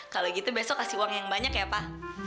kalau gitu besok kasih uang yang banyak ya pak